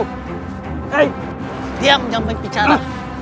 hei diam nyambing bicara